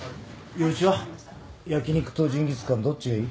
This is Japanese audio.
陽一は焼き肉とジンギスカンどっちがいい？